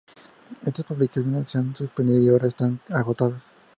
Estas publicaciones se han suspendido y ahora están agotadas.